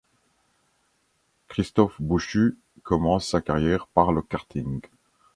Christophe Bouchut commence sa carrière par le karting.